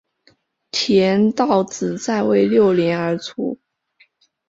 田悼子在位六年而卒。